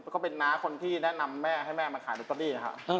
ก็เป็นน้าคนที่แนะนำแม่ให้แม่มาขายลอตเตอรี่นะครับ